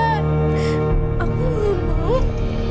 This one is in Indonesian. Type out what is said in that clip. aku gak mau